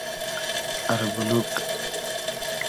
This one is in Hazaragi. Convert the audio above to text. اربولوگ